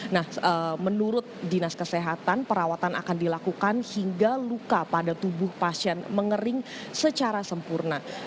nah menurut dinas kesehatan perawatan akan dilakukan hingga luka pada tubuh pasien mengering secara sempurna